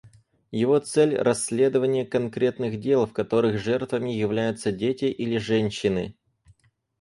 Его цель — расследование конкретных дел, в которых жертвами являются дети или женщины.